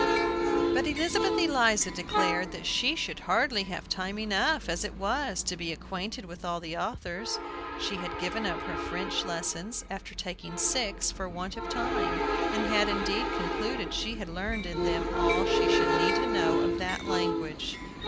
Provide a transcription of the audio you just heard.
But Elizabeth Eliza declared that she should hardly have time enough, as it was, to be acquainted with all the authors. She had given up her French lessons, after taking six, for want of time, and had, indeed, concluded she had learned in them all she should need to know of that language.